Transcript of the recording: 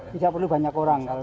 tidak perlu banyak orang ya pak